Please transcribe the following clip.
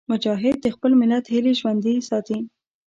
مجاهد د خپل ملت هیلې ژوندي ساتي.